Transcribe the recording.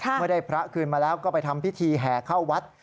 เมื่อได้พระคืนมาแล้วก็ไปทำพิธีแห่เข้าวัด